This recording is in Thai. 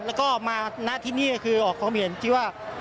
แล้วก็มาณที่นี่ก็คือออกความเห็นที่ว่า